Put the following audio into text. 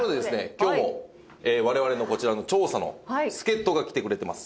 今日も我々のこちらの調査の助っ人が来てくれてます。